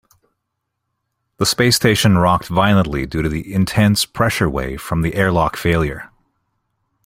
The space station rocked violently due to the intense pressure wave from the airlock failure.